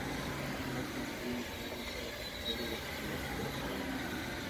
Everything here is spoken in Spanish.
Además, contribuye ligeramente a la flexión de la articulación de la cadera.